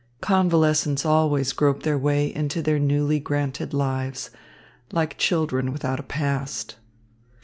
Convalescents always grope their way into their newly granted lives, like children without a past.